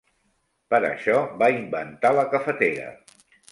Per això, va inventar la cafetera.